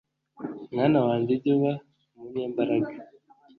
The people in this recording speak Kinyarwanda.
mwana wanjye ujye uba umunyembaraga